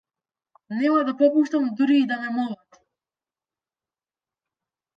Нема да попуштам дури и да ме молат.